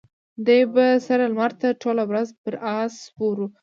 دی به سره لمر ته ټوله ورځ پر آس سپور و.